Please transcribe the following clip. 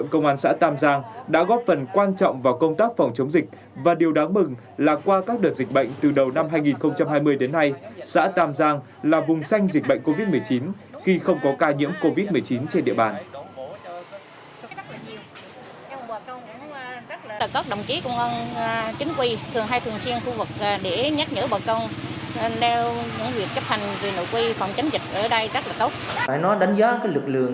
công an xã tam giang đã góp phần quan trọng vào công tác phòng chống dịch bệnh covid một mươi chín trên địa bàn